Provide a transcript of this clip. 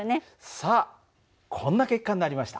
さあこんな結果になりました。